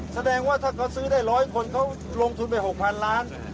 แสดงว่าถ้าเขาซื้อได้๑๐๐คนเขาลงทุนไป๖๐๐๐ล้าน